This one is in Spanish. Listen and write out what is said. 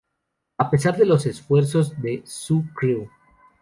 A pesar de los esfuerzos de la "Zoo Crew!